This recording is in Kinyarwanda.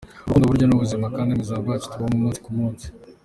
Urukundo burya ni ubuzima kandi ni ubuzima bwacu tubamo umunsi ku munsi.